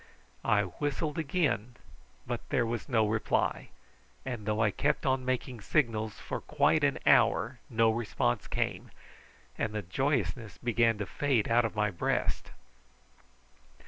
I whistled again, but there was no reply; and though I kept on making signals for quite an hour no response came, and the joyousness began to fade out of my breast.